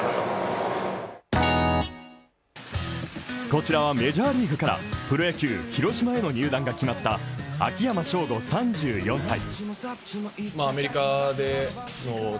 こちらはメジャーリーグからプロ野球・広島への入団が決まった秋山翔吾３４歳。